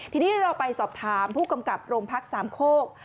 ทีนี้เราไปสอบถามผู้กำกับโรงพักสามโคก